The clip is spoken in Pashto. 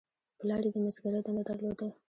پلار یې د مسګرۍ دنده درلوده.